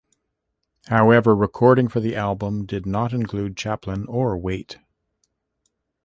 However, recording for the album did not include Chaplin or Waite.